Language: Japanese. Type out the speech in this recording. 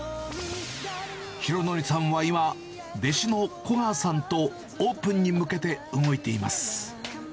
浩敬さんは今、弟子の子川さんとオープンに向けて動いています。